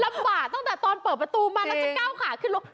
ตั้งแต่ตอนเปิดประตูมาแล้วจะก้าวขาขึ้นรถ